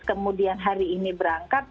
kemudian hari ini berangkat